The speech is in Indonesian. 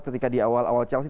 ketika di awal awal chelsea